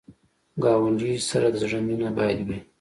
ګاونډي سره د زړه مینه باید وي